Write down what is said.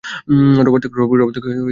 রবার্তোকে নিয়ে এক্ষুণি আসছি।